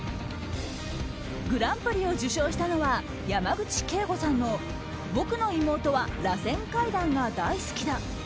グランプリを受賞したのは山口景伍さんの「僕の妹は螺旋階段が大好きだ。」。